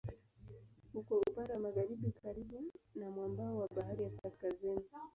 Uko upande wa magharibi karibu na mwambao wa Bahari ya Kaskazini.